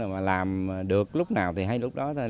mà làm được lúc nào thì hay lúc đó